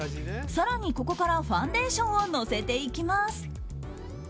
更にここからファンデーションを乗せていきます。